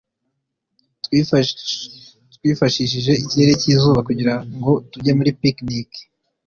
twifashishije ikirere cyizuba kugirango tujye muri picnic